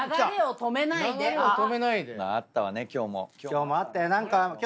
今日もあったよ。